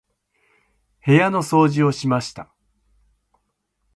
部屋の掃除をしました。